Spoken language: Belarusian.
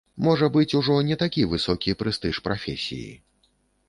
Можа быць, ужо не такі высокі прэстыж прафесіі.